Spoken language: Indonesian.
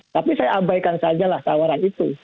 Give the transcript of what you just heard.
tapi saya abaikan sajalah tawaran itu